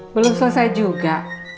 belum selesai juga